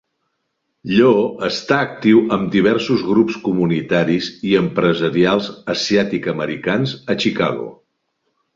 Lloo està actiu amb diversos grups comunitaris i empresarials asiàtic-americans a Chicago.